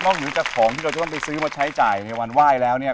เหนือจากของที่เราจะต้องไปซื้อมาใช้จ่ายในวันไหว้แล้วเนี่ย